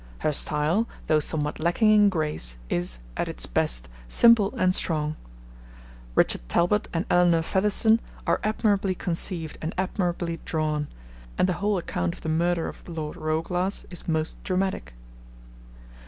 Her style, though somewhat lacking in grace, is, at its best, simple and strong. Richard Talbot and Elinor Fetherston are admirably conceived and admirably drawn, and the whole account of the murder of Lord Roeglass is most dramatic.